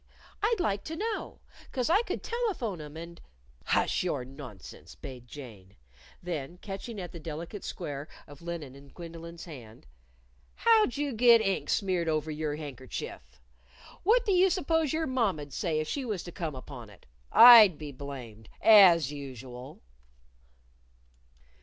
I'd like to know; 'cause I could telephone 'em and " "Hush your nonsense!" bade Jane. Then, catching at the delicate square of linen in Gwendolyn's hand, "How'd you git ink smeared over your handkerchief? What do you suppose your mamma'd say if she was to come upon it? I'd be blamed as usual!"